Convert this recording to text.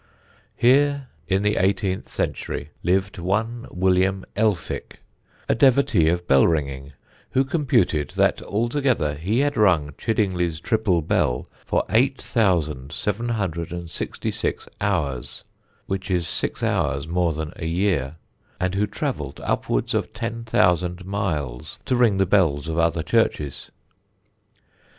Here, in the eighteenth century, lived one William Elphick, a devotee of bell ringing, who computed that altogether he had rung Chiddingly's triple bell for 8,766 hours (which is six hours more than a year), and who travelled upwards of ten thousand miles to ring the bells of other churches.